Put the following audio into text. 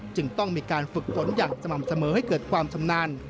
จึงต้องมีการฝึกฝนอย่างสม่ำเสมอให้เกิดความชำนาญ